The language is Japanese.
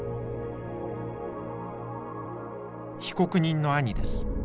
被告人の兄です。